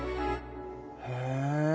へえ。